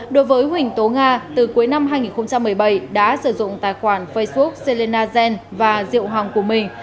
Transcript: đối với huỳnh tố nga từ cuối năm hai nghìn một mươi bảy đã sử dụng tài khoản facebook selena zen và diệu hoàng của mình